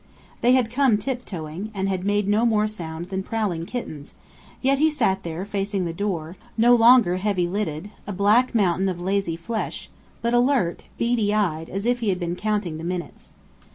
They had come tiptoeing, and had made no more sound than prowling kittens, yet he sat there facing the door, no longer heavy lidded, a black mountain of lazy flesh, but alert, beady eyed, as if he had been counting the minutes.